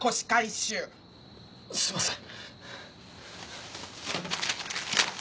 すみません。